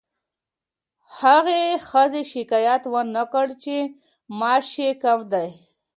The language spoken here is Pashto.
هغې ښځې شکایت ونه کړ چې معاش یې کم دی.